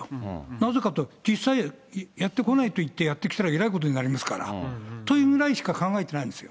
なぜかといったら、実際、やって来ないといってやって来たらえらいことになりますから、というぐらいにしか考えてないんですよ。